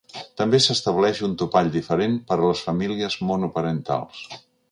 També s’estableix un topall diferent per a les famílies monoparentals.